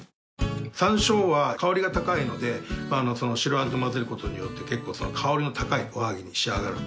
さんしょうは香りが高いので白あんと混ぜることによって結構香りの高いおはぎに仕上がってて。